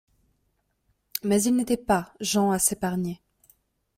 Mais ils n’étaient pas gens à s’épargner.